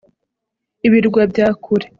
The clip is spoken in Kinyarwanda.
ibirwa bya kure